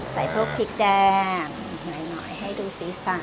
ใส่พวกพริกแดงหน่อยให้ดูสีสั่น